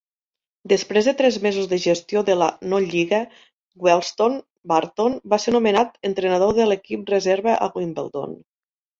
Després de tres mesos de gestió de la no-Lliga Wealdstone Burton va ser nomenat entrenador de l'equip reserva a Wimbledon.